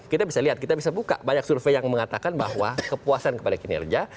kita bisa lihat kita bisa buka banyak survei yang mengatakan bahwa kepuasan kepada kinerja